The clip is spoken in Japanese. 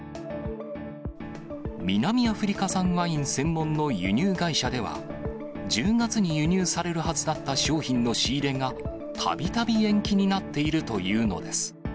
南アフリカ産ワイン専門の輸入会社では、１０月に輸入されるはずだった商品の仕入れが、たびたび延期になっているというのです。